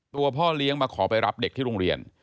พ่อเลี้ยงมาขอไปรับเด็กที่โรงเรียน